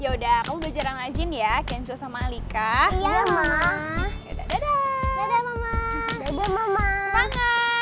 yaudah kamu belajar rajin ya kenzo sama alika